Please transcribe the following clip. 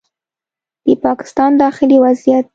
د پاکستان داخلي وضعیت